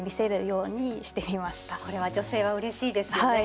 これは女性はうれしいですよね。